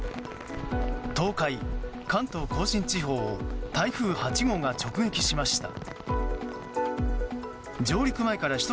東海、関東・甲信地方を台風８号が直撃しました。